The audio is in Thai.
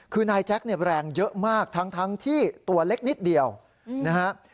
คือนายแจ๊คเนี่ยแรงเยอะมากทั้งที่ตัวเล็กนิดเดียวนะฮะ